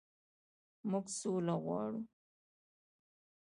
موږ سوله غواړو